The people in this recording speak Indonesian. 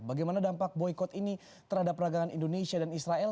bagaimana dampak boykot ini terhadap peragangan indonesia dan israel